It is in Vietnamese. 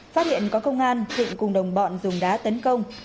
phát hiện có công an thịnh cùng đồng bọn dùng đá tấn công